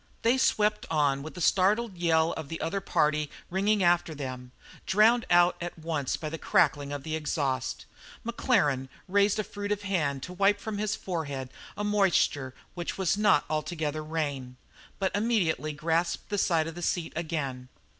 They swept on with the startled yell of the other party ringing after them, drowned at once by the crackling of the exhaust. Maclaren raised a furtive hand to wipe from his forehead a moisture which was not altogether rain, but immediately grasped the side of the seat again.